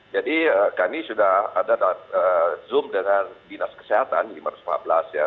jadi kami sudah ada zoom dengan dinas kesehatan lima ratus lima belas ya